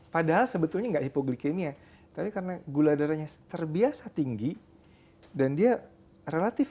padahal sebetulnya enggak hipoglikemia tapi karena gula darahnya terbiasa tinggi dan dia relatif